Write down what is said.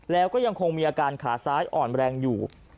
แล้วก็ยังคงมีอาการขาซ้ายอ่อนแรงอยู่